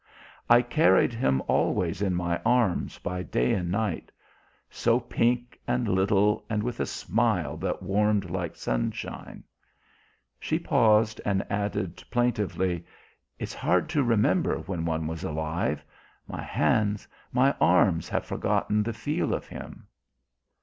I carried him always in my arms by day and night. So pink and little and with a smile that warmed like sunshine." She paused and added plaintively: "It's hard to remember when one was alive. My hands, my arms have forgotten the feel of him."